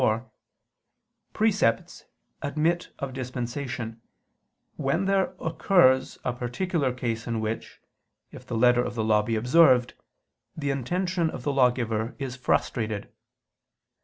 4), precepts admit of dispensation, when there occurs a particular case in which, if the letter of the law be observed, the intention of the lawgiver is frustrated.